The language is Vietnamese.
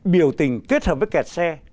biểu tình kết hợp với kẹt xe